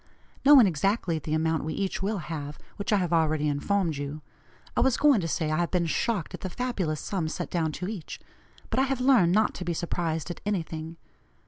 Knowing exactly the amount we each will have, which I have already informed you, I was going to say, I have been shocked at the fabulous sum set down to each, but I have learned not to be surprised at anything.